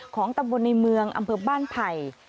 ของตำบลในเมืองอำเภอบ้านไผ่